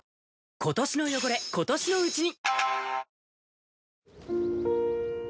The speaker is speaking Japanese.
今年の汚れ、今年のうちに。